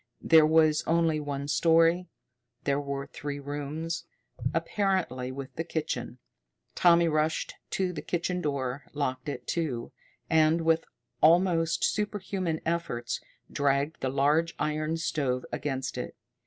There was only one story, and there were three rooms, apparently, with the kitchen. Tommy rushed to the kitchen door, locked it, too, and, with almost super human efforts, dragged the large iron stove against it.